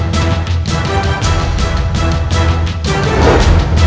kau berusaha mengingat ayahku